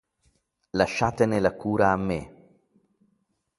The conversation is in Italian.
Lasciatene la cura a me.